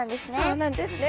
そうなんですね。